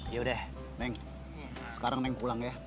yaudah neng sekarang neng pulang ya